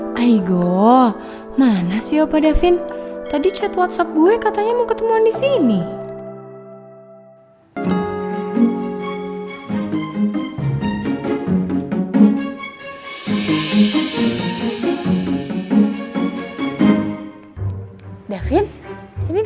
sekarang semuanya jadi bumerang buat diri gue sendiri